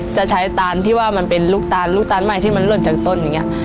จะใช้ตานที่ว่ามันเป็นลูกตานลูกตาลใหม่ที่มันหล่นจากต้นอย่างนี้